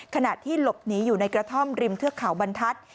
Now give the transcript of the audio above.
ขณะที่หลบหนีอยู่ในกระท่อมริมเทือกเขาบรรทัศน์